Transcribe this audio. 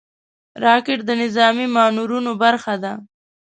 راکټ د نظامي مانورونو برخه ده